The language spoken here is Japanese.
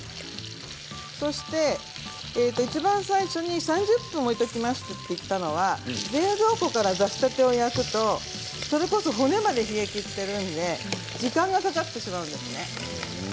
そしていちばん最初に３０分置いておきますと言ったのは冷蔵庫から出したてを焼くとそれこそ骨まで冷えきっているので時間がかかってしまうんです。